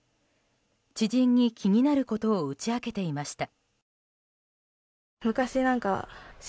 知人に気になることを打ち明けていました。